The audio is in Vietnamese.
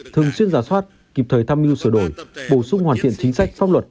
thường xuyên giả soát kịp thời tham mưu sửa đổi bổ sung hoàn thiện chính sách pháp luật